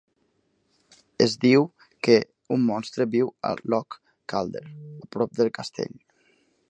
Es diu que un monstre viu a Loch Calder a prop del castell.